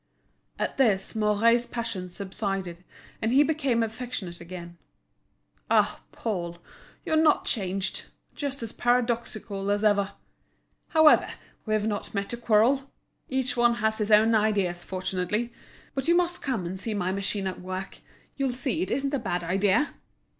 At this Mouret's passion subsided, and he became affectionate again. "Ah, Paul, you're not changed. Just as paradoxical as ever! However, we've not met to quarrel. Each one has his own ideas, fortunately. But you must come and see my machine at work; you'll see it isn't a bad idea.